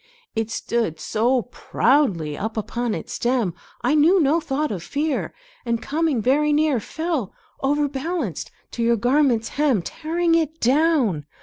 It stood so proudly up upon its stem, I knew no thought of fear, And coming very near Fell, overbalanced, to your garment's hem, Tearing it down.